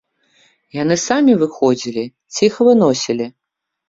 Яны самі выходзілі ці іх выносілі?